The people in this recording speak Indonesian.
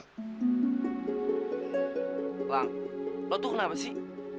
bang lo tuh kenapa sih